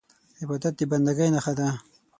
عبادت د بندګۍ نښه ده.